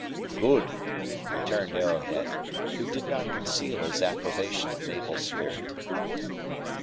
"Good," returned Arrowhead, who did not conceal his approbation of Mabel's spirit.